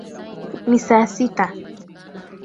Ni saa sita.